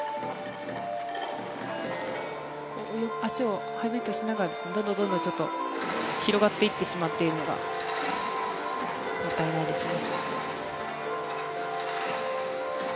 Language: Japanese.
こういう足をハイブリッドにしながらどんどん広がっていってしまっているのがもったいないですね。